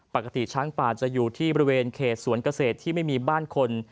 ปกติช้างป่าจะอยู่ที่บริเวณเขตสวนเกษตรที่ไม่มีบ้านคน